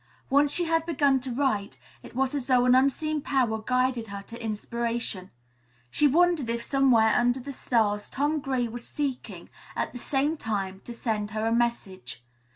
Once she had begun to write it was as though an unseen power guided her to inspiration. She wondered if somewhere under the stars Tom Gray was seeking, at the same time, to send her a message.